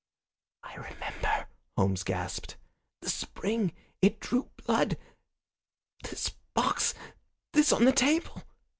"I remember," Holmes gasped. "The spring! It drew blood. This box this on the table."